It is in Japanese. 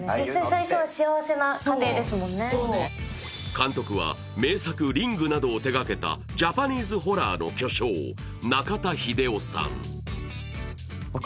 監督は名作「リング」などを手がけたジャパニーズホラーの巨匠・中田秀夫さん。